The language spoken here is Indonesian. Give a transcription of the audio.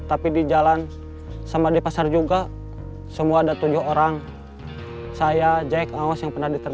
apa yang terjadi